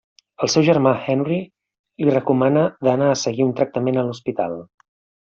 El seu germà, Henry, li recomana d'anar a seguir un tractament a l'hospital.